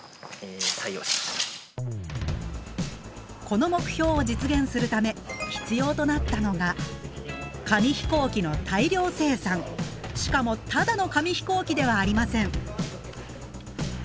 この目標を実現するため必要となったのがしかもただの紙飛行機ではありません。